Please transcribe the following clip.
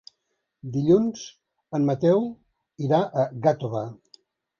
Dilluns en Mateu irà a Gàtova.